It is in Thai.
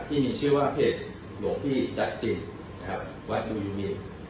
ที่มีชื่อว่าเพจหลวงพี่นะครับว่าดูยูมี